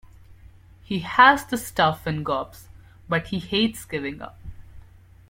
He has the stuff in gobs, but he hates giving up.